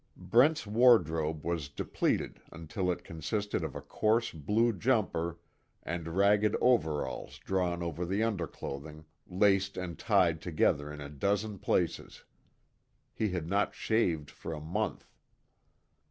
Brent's wardrobe was depleted until it consisted of a coarse blue jumper and ragged overalls drawn over underclothing, laced and tied together in a dozen places. He had not shaved for a month.